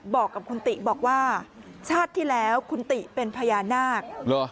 บอกกับคุณติบอกว่าชาติที่แล้วคุณติเป็นพญานาค